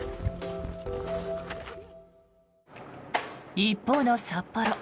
一方の札幌。